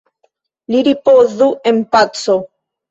Li ripozu en paco!